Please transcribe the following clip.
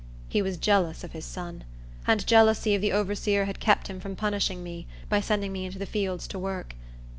He was jealous of his son; and jealousy of the overseer had kept him from punishing me by sending me into the fields to work.